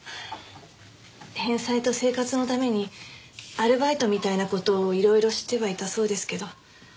返済と生活のためにアルバイトみたいな事をいろいろしてはいたそうですけど。